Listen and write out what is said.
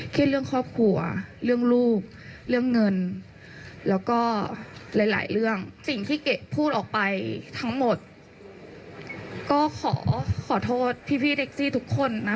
เรื่องครอบครัวเรื่องลูกเรื่องเงินแล้วก็หลายเรื่องสิ่งที่เกะพูดออกไปทั้งหมดก็ขอขอโทษพี่แท็กซี่ทุกคนนะ